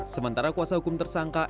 sementara kuasa hukum tersangka